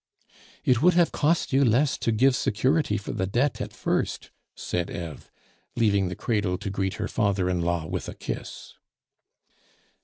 "It would have cost you less to give security for the debt at first," said Eve, leaving the cradle to greet her father in law with a kiss.